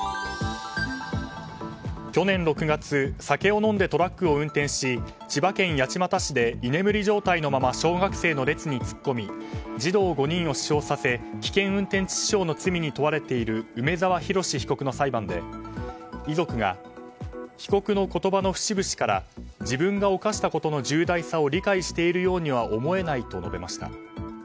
去年６月、酒を飲んでトラックを運転し千葉県八街市で居眠り状態のまま小学生の列に突っ込み児童５人を死傷させ危険運転致死傷の罪に問われている梅沢洋被告の裁判で遺族が、被告の言葉の節々から自分が犯したことの重大さを理解しているように思えないと述べました。